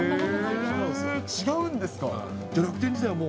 違うんですか？